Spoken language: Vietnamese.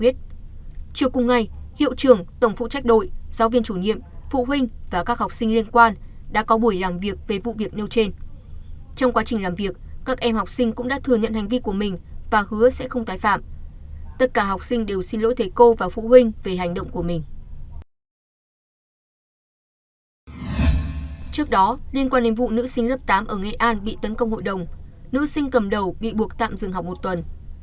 trước đó liên quan đến vụ nữ sinh lớp tám ở nghệ an bị tấn công hội đồng nữ sinh cầm đầu bị buộc tạm dừng học một tuần